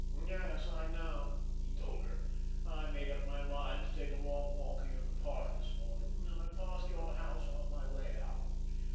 "Yes, I know," he told her. "I made up my mind to take a long walk here in the Park this morning, and I passed your house on my way out.